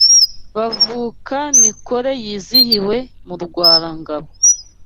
Bavuka-mikore yizihiwe mu Rwara-ngabo